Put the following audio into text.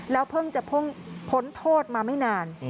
แล้วเพิ่งจะพ้นโทษมาไม่นาน